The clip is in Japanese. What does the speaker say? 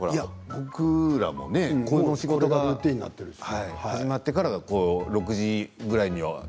僕らもこの仕事が始まってから６時くらいには。